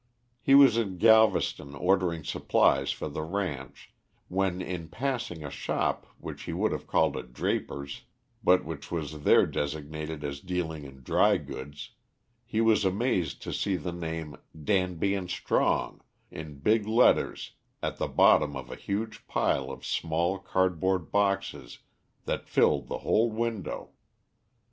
He was in Galveston ordering supplies for the ranch, when in passing a shop which he would have called a draper's, but which was there designated as dealing in dry goods, he was amazed to see the name "Danby and Strong" in big letters at the bottom of a huge pile of small cardboard boxes that filled the whole window.